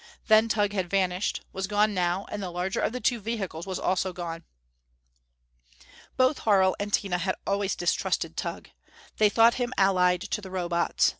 Then Tugh had vanished; was gone now; and the larger of the two vehicles was also gone. Both Harl and Tina had always distrusted Tugh. They thought him allied to the Robots.